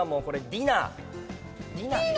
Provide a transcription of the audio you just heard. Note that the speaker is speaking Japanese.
ディナー？